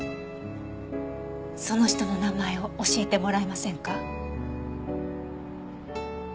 その人の名前を教えてもらえませんか？